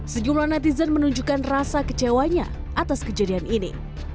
sejumlah netizen menunjukkan rasa kecewanya atas kejadian ini